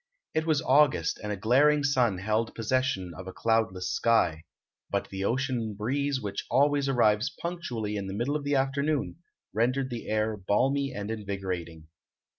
It was August and a glaring sun held possession of a cloudless sky; but the ocean breeze, which always arrives punctually the middle of the afternoon, rendered the air balmy and invigorating.